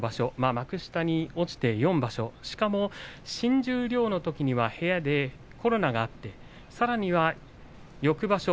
幕下に落ちて４場所、しかも新十両のときには部屋でコロナがあってさらには翌場所